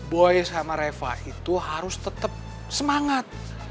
boy sama reva itu harus tetap semangat